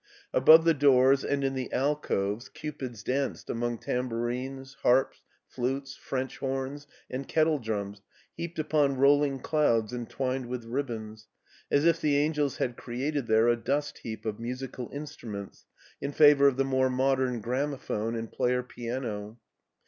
Above the doors and in the alcoves cupids danced among tambourines, harps, flutes, French horns, and kettledrums heaped upon rolling clouds entwined with ribbons, as if the angels had created there a dust heap of musical instruments in favor of the more modern gramophone and player piano.